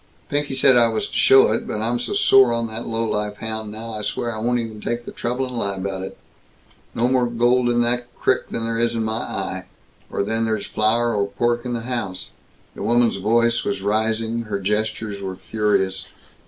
Pinky said I was to show it, but I'm so sore on that low life hound now, I swear I won't even take the trouble and lie about it. No more gold in that crick than there is in my eye. Or than there's flour or pork in the house!" The woman's voice was rising. Her gestures were furious.